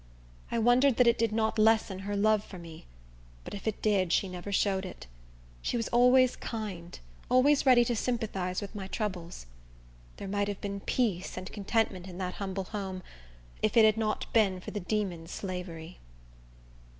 I wondered that it did not lessen her love for me; but if it did she never showed it. She was always kind, always ready to sympathize with my troubles. There might have been peace and contentment in that humble home if it had not been for the demon Slavery.